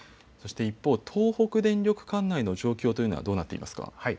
一方、東北電力管内の状況というのはどうなっていますか。